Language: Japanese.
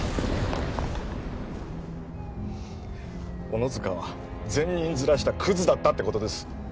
小野塚は善人面したクズだったってことです